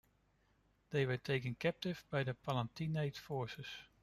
They were taken captive by the Palatinate forces.